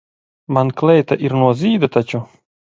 Man kleita ir no zīda taču.